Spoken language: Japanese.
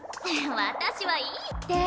私はいいって！